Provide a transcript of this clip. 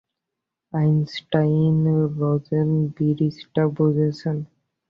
Einstein-Rosen ব্রিজটা বুঝেছেন?